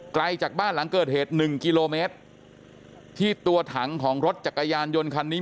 ไกลจากบ้านหลังเกิดเหตุหนึ่งกิโลเมตรที่ตัวถังของรถจักรยานยนต์คันนี้